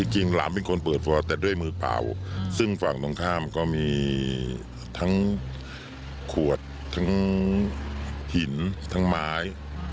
จริงหลานเป็นคนเปิดฟอร์แต่ด้วยมือเปล่าซึ่งฝั่งตรงข้ามก็มีทั้งขวดทั้งหินทั้งไม้